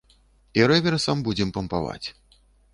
І рэверсам будзем пампаваць.